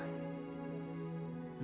aduh ibu kemana